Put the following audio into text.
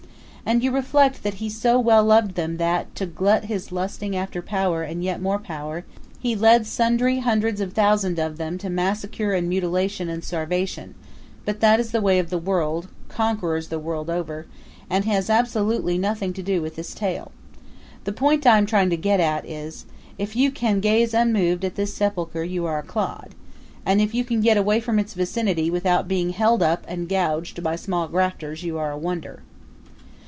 And you reflect that he so well loved them that, to glut his lusting after power and yet more power, he led sundry hundreds of thousands of them to massacre and mutilation and starvation; but that is the way of world conquerors the world over and has absolutely nothing to do with this tale. The point I am trying to get at is, if you can gaze unmoved at this sepulcher you are a clod. And if you can get away from its vicinity without being held up and gouged by small grafters you are a wonder.